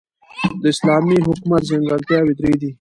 د اسلامی حکومت ځانګړتیاوي درې دي.